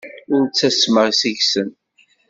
Ur ttasmeɣ seg-sen.